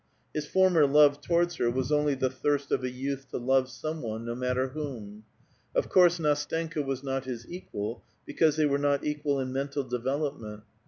His former love towards her was only the thirst of a youth to *^ve some one, no matter whom. Of course Ndstenka was "^^t his equal, because they were not equal in mental devel ^Pnient.